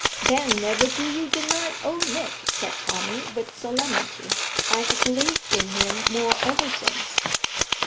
"Then never do you deny Old Nick," said Tommy, with solemnity. "I've believed in him more ever since.